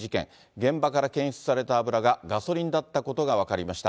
現場から検出された油がガソリンだったことが分かりました。